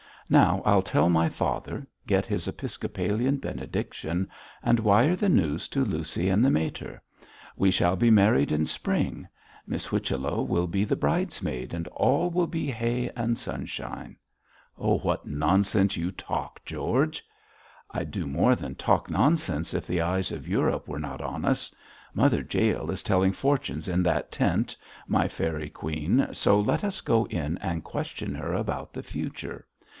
Now I'll tell my father, get his episcopalian benediction, and wire the news to Lucy and the mater. We shall be married in spring. Miss Whichello will be the bridesmaid, and all will be hay and sunshine.' 'What nonsense you talk, George!' 'I'd do more than talk nonsense if the eyes of Europe were not on us. Mother Jael is telling fortunes in that tent, my fairy queen, so let us go in and question her about the future.